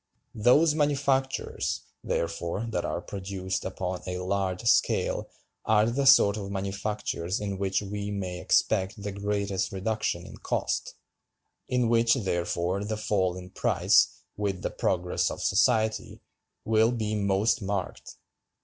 Those manufactures, therefore, that are produced upon a large scale are the sort of manufactures in which we may expect the greatest reduction in cost; in which, therefore, the fall in price, with the progress of society, will be most marked.